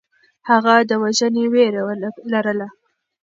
هغه د وژنې وېره لرله.